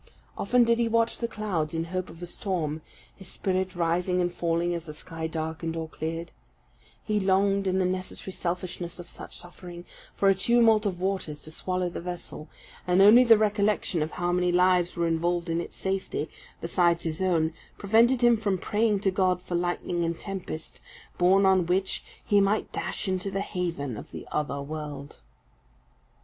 Often did he watch the clouds in hope of a storm, his spirit rising and falling as the sky darkened or cleared; he longed, in the necessary selfishness of such suffering, for a tumult of waters to swallow the vessel; and only the recollection of how many lives were involved in its safety besides his own, prevented him from praying to God for lightning and tempest, borne on which he might dash into the haven of the other world.